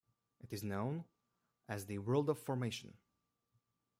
It is known as the "World of Formation".